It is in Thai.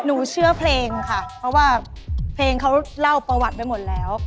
เชื่อเพลงค่ะเพราะว่าเพลงเขาเล่าประวัติไปหมดแล้ว